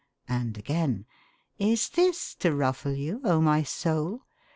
And again: 'Is this to ruffle you, O my soul?